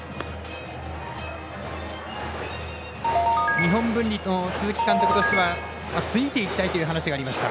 日本文理の鈴木監督としてはついていきたいという話がありました。